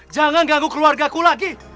jangan ganggu keluarga aku lagi